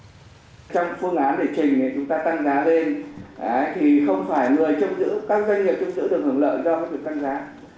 thì không phải người chung giữ các doanh nghiệp chung giữ được hưởng lợi do không được tăng giá